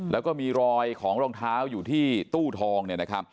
แล้วก็มีรอยของรองเท้าอยู่ที่ตู้ทอง